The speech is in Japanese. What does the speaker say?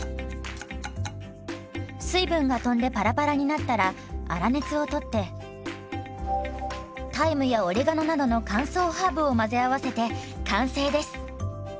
水分がとんでパラパラになったら粗熱を取ってタイムやオレガノなどの乾燥ハーブを混ぜ合わせて完成です。